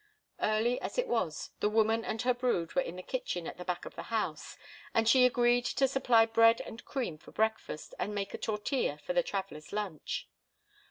Early as it was, the woman and her brood were in the kitchen at the back of the house, and she agreed to supply bread and cream for breakfast and make a tortilla for the travellers' lunch.